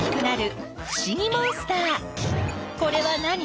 これは何？